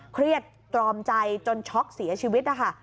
ตรอมใจจนช็อกเสียชีวิตนะคะ